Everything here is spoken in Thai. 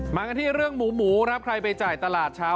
มากันที่เรื่องหมูหมูครับใครไปจ่ายตลาดเช้า